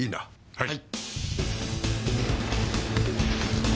はい。